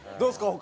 他。